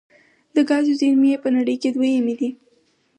د ګازو زیرمې یې په نړۍ کې دویمې دي.